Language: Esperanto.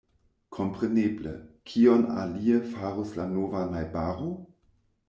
Kompreneble; kion alie farus la nova najbaro?